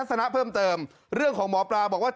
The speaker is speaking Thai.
สนะเพิ่มเติมเรื่องของหมอปลาบอกว่า